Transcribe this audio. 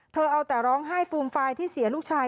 เอาแต่ร้องไห้ฟูมฟายที่เสียลูกชาย